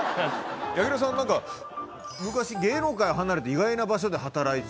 柳楽さんはなんか昔芸能界を離れて意外な場所で働いてたって。